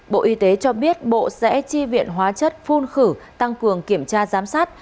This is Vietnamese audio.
bộ y tế cho biết bộ sẽ chi viện hóa chất phun khử tăng cường kiểm tra giám sát